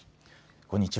こんにちは。